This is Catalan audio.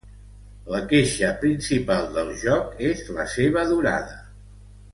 La queixa principal del joc és la seva durada.